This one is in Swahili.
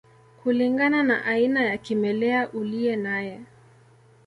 Kulingana na aina ya kimelea uliye naye